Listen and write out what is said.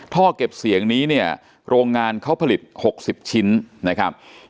ท่อเก็บเสียงนี้เนี่ยโรงงานเขาผลิต๖๐ชิ้นนะครับ